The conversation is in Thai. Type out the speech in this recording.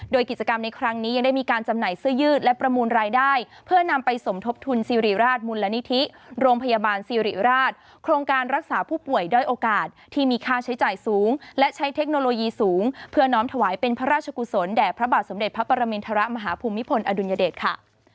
โดยกิจกรรมในครั้งนี้ยังได้มีการจำหน่ายเสื้อยืดและประมูลรายได้เพื่อนำไปสมทบทุนซีรีราชมูลนิธิโรงพยาบาลสิริราชโครงการรักษาผู้ป่วยด้อยโอกาสที่มีค่าใช้จ่ายสูงและใช้เทคโนโลยีสูงเพื่อน้อมถวายเป็นพระราชกุศลแด่พระบาทสมเด็จพระปรมินทรมาฮภูมิพลอดุลยเดชค่ะ